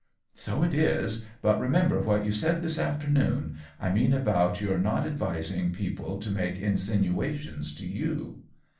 " So it is ; but remember what you said this afternoon — I mean about your not ad vising people to make insinuations to you!